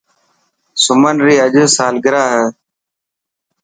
سمن ري اڄ سالگرا هي.